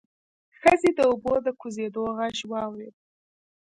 ښځې د اوبو د کوزېدو غږ واورېد.